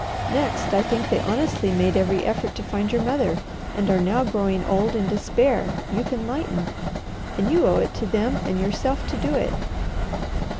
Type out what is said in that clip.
Next, I think they honestly made every effort to find your mother, and are now growing old in despair you can lighten, and you owe it to them and yourself to do it.